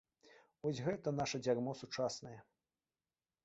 Вось гэта наша дзярмо сучаснае.